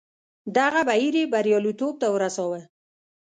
دغه بهیر یې بریالیتوب ته ورساوه.